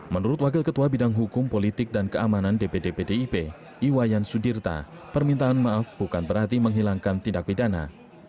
menurut wakil ketua bidang hukum politik dan keamanan dpd pdip iwayan sudirta permintaan maaf bukan berarti menghilangkan tindak pidana